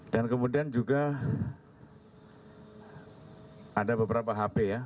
dan kemudian juga ada beberapa hp ya